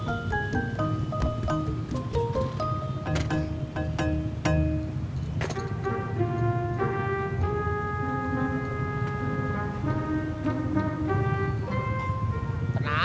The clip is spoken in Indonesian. selamat menumpang lo